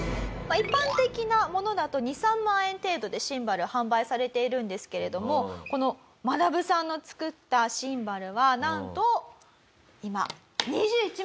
一般的なものだと２３万円程度でシンバル販売されているんですけれどもこのマナブさんの作ったシンバルはなんと今。